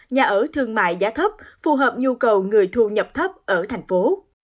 nhà ở thương mại giá thấp phù hợp nhu cầu người thu nhập thấp ở thành phố